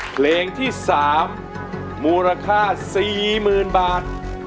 เพลงที่๓มูลค่า๔หมื่นบาท